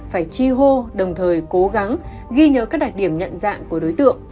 phải chi hô đồng thời cố gắng ghi nhớ các đặc điểm nhận dạng của đối tượng